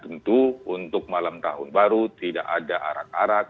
dan tentu untuk malam tahun baru tidak ada arak arak